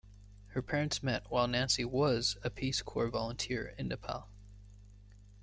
Her parents met while Nancy was a Peace Corps Volunteer in Nepal.